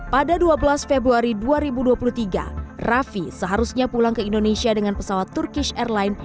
pada dua belas februari dua ribu dua puluh tiga raffi seharusnya pulang ke indonesia dengan pesawat turkish airline